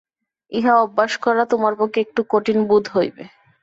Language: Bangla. ইহা অভ্যাস করা তোমার পক্ষে একটু কঠিন বোধ হইবে।